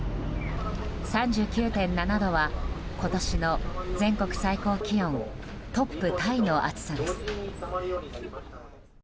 ３９．７度は今年の全国最高気温トップタイの暑さです。